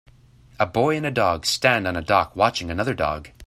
A boy and a dog stand on a dock watching another dog.